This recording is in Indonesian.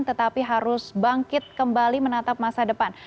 tetapi harus bangkit kembali menatap masa depan